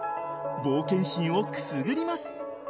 冒険心をくすぐります。